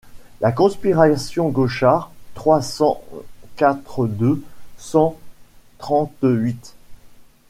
La conspiration Gauchard trois cent quatre deux cent trente-huit.